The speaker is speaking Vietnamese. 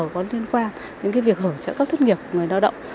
có liên quan đến cái việc hở trợ cấp thất nghiệp của người lao động